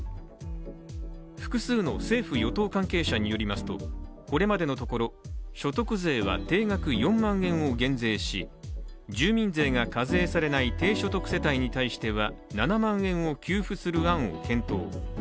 複数の政府・与党関係者によりますとこれまでのところ所得税は定額４万円を減税し住民税が課税されない低所得世帯に対しては７万円を給付する案を検討。